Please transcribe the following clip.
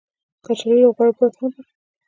کچالو له غوړو پرته هم پخېږي